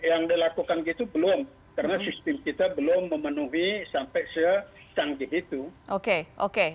yang dilakukan gitu belum karena sistem kita belum memenuhi sampai secanggih itu oke oke